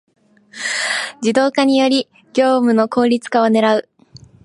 ⅱ 自動化により業務の効率化を狙う